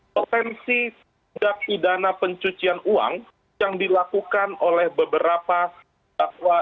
potensi tindak pidana pencucian uang yang dilakukan oleh beberapa dakwa